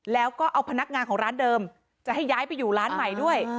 แล้วก็เอาพนักงานของร้านเดิมจะให้ย้ายไปอยู่ร้านใหม่ด้วย